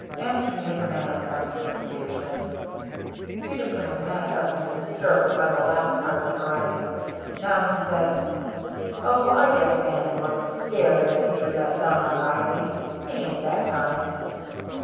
Answer me as a man of sense, Mr. Peterson." Peterson was manifestly disturbed by the last part of the harangue. Now he said: "Oh, I guess Bannon wasn't scared when he drawed that gun on Reilly. He ain't that kind."